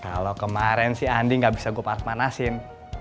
kalau kemarin si andi gak bisa gue parah parah nasin